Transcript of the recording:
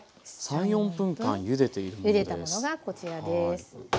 ゆでたものがこちらです。